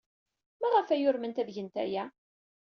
Maɣef ay urment ad gent aya?